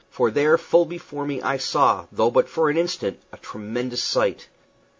For there full before me I saw, though but for an instant, a tremendous sight.